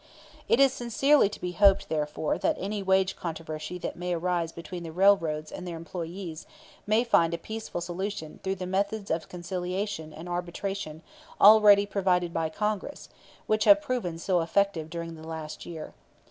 "It is sincerely to be hoped, therefore, that any wage controversy that may arise between the railroads and their employees may find a peaceful solution through the methods of conciliation and arbitration already provided by Congress, which have proven so effective during the past year.